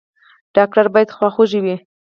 ډاکټر باید خواخوږی وي